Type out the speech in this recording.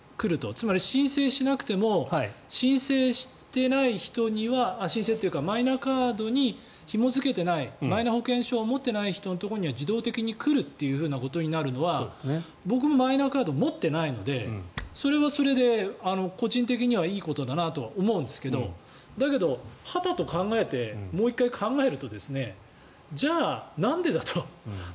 つまり申請しなくても申請というかマイナカードにひも付けていないマイナ保険証を持っていない人のところには自動的に来るというふうなことになるのは僕もマイナンバーカード持っていないのでそれはそれで個人的にはいいことだなと思うんですがだけど、はたと考えてもう１回考えるとじゃあ、なんでだと。